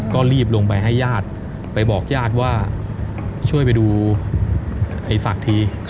ก็รีบลงไปให้ญาติไปบอกญาติว่าช่วยไปดูไอ้ศักดิ์ที